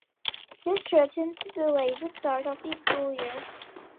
This threatened to delay the start of the school year.